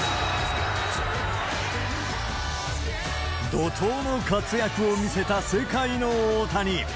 怒とうの活躍を見せた世界の大谷。